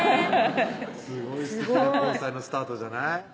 すごいすてきな交際のスタートじゃない？